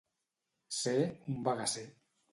Ser un bagasser.